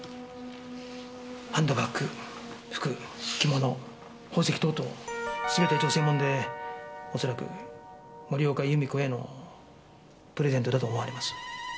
ハンドバッグ服着物宝石等々全て女性物で恐らく森岡弓子へのプレゼントだと思われます。